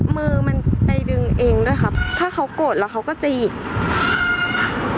มือมันไปดึงเองด้วยค่ะถ้าเขากดแล้วเขาก็จะหยิก